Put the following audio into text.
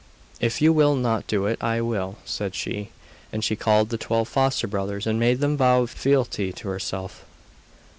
'If you will not do it I will,' said she. And she called the twelve foster brothers and made them vow fealty to herself.